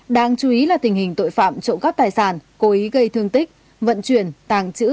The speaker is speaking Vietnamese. đang chú ý là tình hình tội phạm trộm các tài sản cố ý gây thương tích vận chuyển tàng chữ